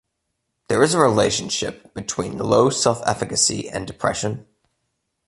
There is a relationship between low self-efficacy and depression.